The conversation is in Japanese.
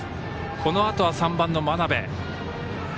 このあとは３番の真鍋。